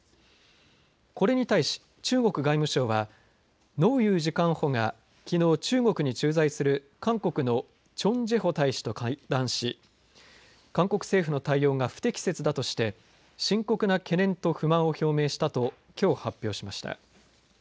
これに対し中国外務省は農融次官補がきのう、中国に駐在する韓国のチョン・ジェホ大使と会談し韓国政府の対応が不適切だとして深刻な懸念と不満を表明したときょう発表しました。